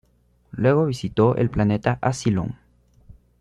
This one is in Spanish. Luego visitó el planeta Asylum.